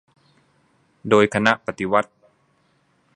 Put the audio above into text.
โดยคณะปฏิวัติ